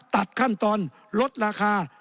ตัดขั้นตอนลดราคา